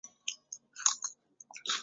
抱嶷居住在直谷。